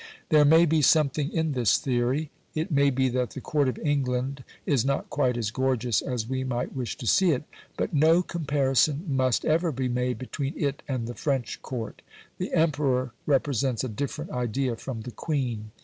There may be something in this theory; it may be that the Court of England is not quite as gorgeous as we might wish to see it. But no comparison must ever be made between it and the French Court. The Emperor represents a different idea from the Queen.